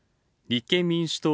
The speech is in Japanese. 立憲民主党